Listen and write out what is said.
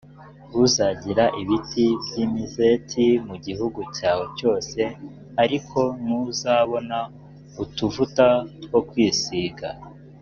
uzagira ibiti by’imizeti mu gihugu cyawe cyose, ariko ntuzabona utuvuta two kwisiga,